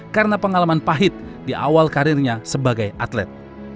karena pengalaman pahit di awal karirnya sebagai atlet